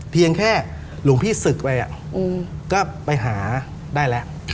เพียงแค่หลวงพี่ศึกไปก็ไปหาได้แล้ว